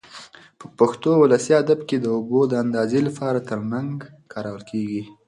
په پښتو ولسي ادب کې د اوبو د اندازې لپاره ترنګ کارول کېږي.